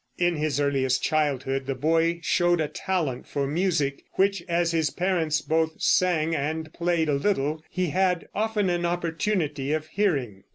In his earliest childhood the boy showed a talent for music, which, as his parents both sang and played a little, he had often an opportunity of hearing.